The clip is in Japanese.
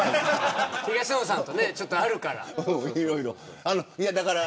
東野さんとね、ちょっといろいろあるから。